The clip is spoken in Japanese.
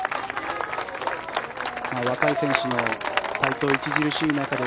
若い選手の台頭著しい中で